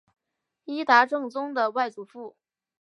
伊达政宗的外祖父。